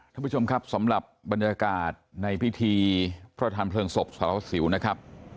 ท่านผู้ชมครับสำหรับบรรยากาศในพิธีพระทานเพลิงศพสารวัสสิวนะครับ